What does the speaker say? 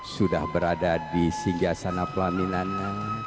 sudah berada di singgah sana pelaminannya